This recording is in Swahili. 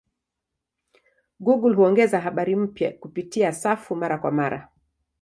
Google huongeza habari mpya kupitia safu mara kwa mara.